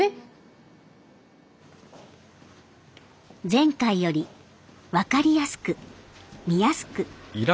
前回より分かりやすく見やすく。